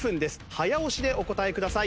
早押しでお答えください。